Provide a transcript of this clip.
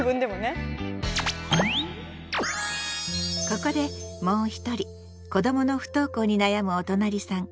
ここでもう一人子どもの不登校に悩むおとなりさん